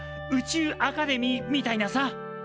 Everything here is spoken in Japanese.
宇宙アカデミーみたいなさ！